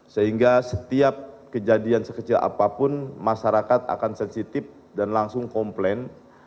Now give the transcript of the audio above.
sehingga setiap kejadian sekecil apapun masyarakat akan sensitif dan langsung komplain